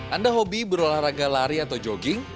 anda hobi berolahraga lari atau jogging